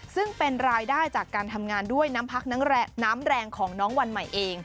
ซึ่งเป็นรายได้จากการทำงานด้วยน้ำพักน้ำแรงของน้องวันใหม่เอง